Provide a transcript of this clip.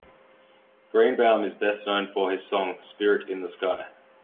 Greenbaum is best known for his song "Spirit in the Sky".